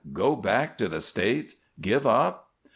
Go back to the States? Give up?"